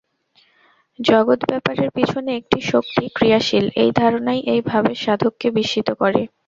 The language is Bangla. জগদ্-ব্যাপারের পিছনে একটি শক্তি ক্রিয়াশীল, এই ধারণাই এই ভাবের সাধককে বিস্মিত করে।